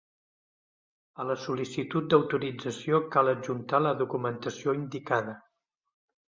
A la sol·licitud d'autorització cal adjuntar la documentació indicada.